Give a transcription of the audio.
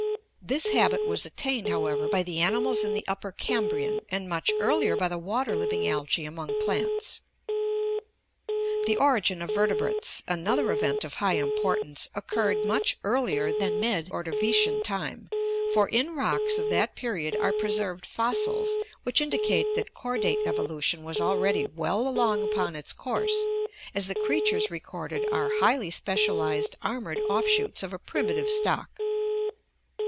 This habit was attained, however, by the animals in the Upper Cambrian, and much earlier by the water living algae among plants. The origin of vertebrates, another event of high importance, occurred much earlier than mid Ordovician time, for in rocks of that period are preserved fossils which indicate that chordate evolution was already well along upon its course, as the creatures recorded are highly specialized armored offshoots of a primitive stock.